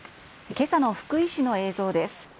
けさの福井市の映像です。